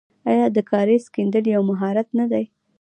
آیا د کاریز کیندل یو مهارت نه دی؟